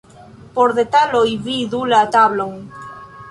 Por detaloj vidu la tablon.